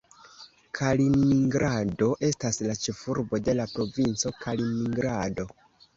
Kaliningrado estas la ĉefurbo de la provinco Kaliningrado.